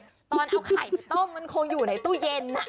ตอนเอาไข่ไปต้มมันคงอยู่ในตู้เย็น